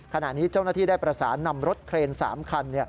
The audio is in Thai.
ขณะนี้เจ้าหน้าที่ได้ประสานนำรถเครน๓คัน